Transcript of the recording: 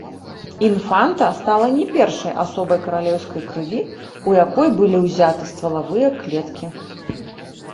Інфанта стала не першай асобай каралеўскай крыві, у якой былі ўзяты ствалавыя клеткі.